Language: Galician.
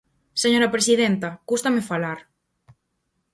Señora presidenta, cústame falar.